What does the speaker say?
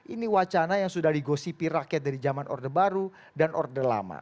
ini wacana yang sudah digosipi rakyat dari zaman orde baru dan orde lama